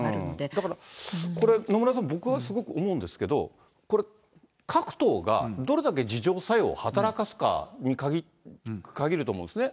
だからこれ、野村さん、僕はすごく思うんですけど、これ、各党がどれだけ自浄作用を働かすかにかぎると思うんですね。